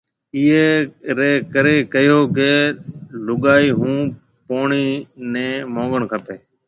اَي اِيئي رَي ڪريَ ڪهيو ڪيَ لُگائي هون پوڻِي نِي مونگڻ کپيَ۔